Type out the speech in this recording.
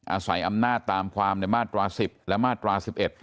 อาศัยอำนาจตามความในมาตรา๑๐และมาตรา๑๑